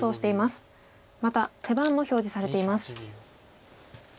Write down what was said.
また手番も表示されています。